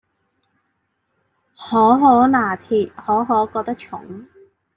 可可拿鐵，可可覺得重